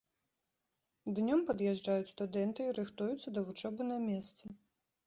Днём пад'язджаюць студэнты і рыхтуюцца да вучобы на месцы.